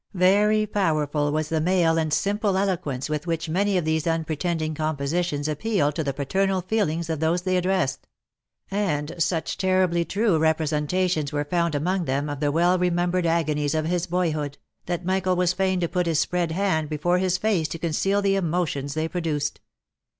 Very powerful was the male and simple eloquence with which many of these unpretending compositions appealed to the paternal feelings of those they addressed ; and such terribly true representations were found among them of the well remembered agonies of his boyhood, that Michael was fain to put his spread hand before his face to conceal the emotions they produced.